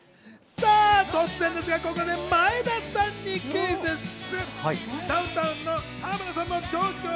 さぁ突然ですが、ここで前田さんにクイズッス！